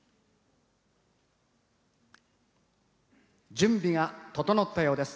準備が整ったようです。